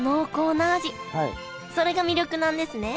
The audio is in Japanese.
それが魅力なんですね